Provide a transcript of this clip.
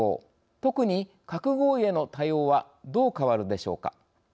特に核合意への対応はどう変わるでしょうか。